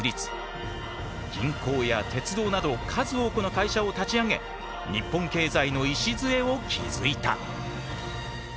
銀行や鉄道など数多くの会社を立ち上げ日本経済の礎を築いた。